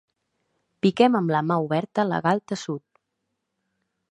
Piquem amb la mà oberta la galta sud.